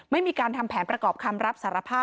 ไม่มีการทำแผนประกอบคำรับสารภาพ